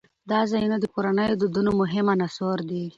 دا ځایونه د کورنیو د دودونو مهم عنصر دی.